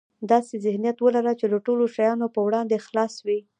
داسې ذهنيت ولره چې د ټولو شیانو په وړاندې خلاص وي.